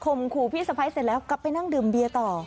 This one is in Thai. ขู่พี่สะพ้ายเสร็จแล้วกลับไปนั่งดื่มเบียร์ต่อ